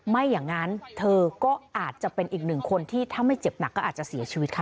ไม่อย่างนั้นเธอก็อาจจะเป็นอีกหนึ่งคนที่ถ้าไม่เจ็บหนักก็อาจจะเสียชีวิตค่ะ